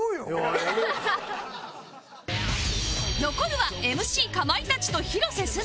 残るは ＭＣ かまいたちと広瀬すず